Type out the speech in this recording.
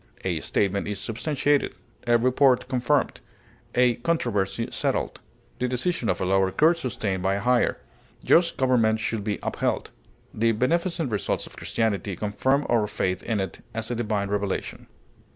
A statement is substantiated; a report confirmed; a controversy settled; the decision of a lower court sustained by a higher. Just government should be upheld. The beneficent results of Christianity confirm our faith in it as a divine revelation.